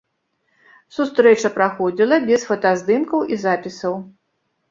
Сустрэча праходзіла без фотаздымкаў і запісаў.